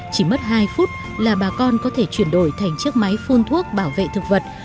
chỉ mất hai phút là bà con có thể chuyển đổi thành chiếc máy phun thuốc bảo vệ thực vật